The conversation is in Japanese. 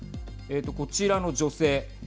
こちらの女性。